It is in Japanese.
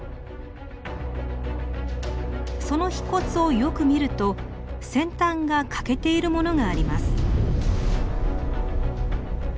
その皮骨をよく見ると先端が欠けているものがあります。